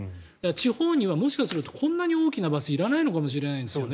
地方にはもしかするとこんなに大きなバスいらないかもしれないんですよね。